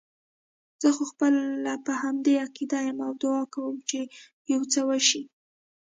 زه خو خپله په همدې عقیده یم او دعا کوم چې یو څه وشي.